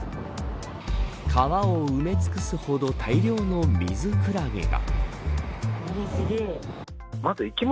川を埋め尽くすほど大量のミズクラゲが。